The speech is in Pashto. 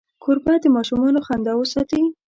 کوربه د ماشومانو خندا وساتي.